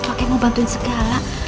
pakai mau bantuin segala